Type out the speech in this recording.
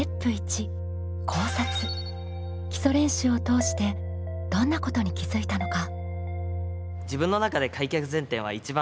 基礎練習を通してどんなことに気づいたのか？